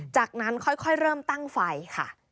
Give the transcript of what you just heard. จากนั้นค่อยเริ่มตั้งไฟค่ะ